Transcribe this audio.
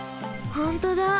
ほんとだ。